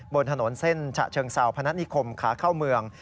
บนถนนเส้นฉะเชิงเซาพนัฐนิคมขาเข้าเมือง